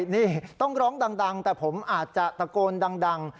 นี่ต้องร้องดังแต่ผมอาจจะตะโกนดัง